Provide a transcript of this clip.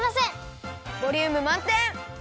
ボリュームまんてん！